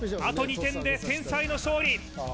あと２点で天才の勝利